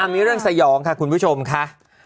มีเรื่องสยองค่ะคุณผู้ชมค่ะ